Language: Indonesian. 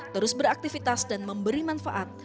terus beraktivitas dan memberi manfaat